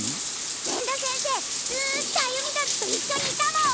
善田先生ずっと歩美達と一緒にいたもん！